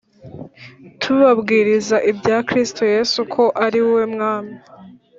Tubabwiriza ibya kristo yesu ko ari we mwami